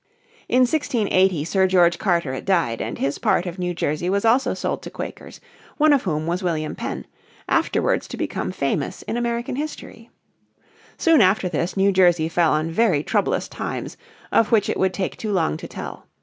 In 1680 Sir George Carteret died, and his part of New Jersey was also sold to Quakers, one of whom was William Penn, afterwards to become famous in American history. Soon after this New Jersey fell on very troublous times, of which it would take too long to tell.